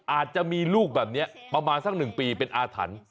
อาจจะมีลูกแบบนี้ประมาณสัก๑ปีเป็นอาถรรพ์